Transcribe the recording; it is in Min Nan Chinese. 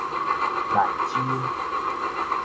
蘭州